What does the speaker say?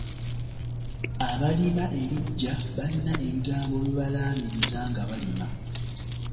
Abalima ebiggya balina ebigambo bye balaamiriza nga balima.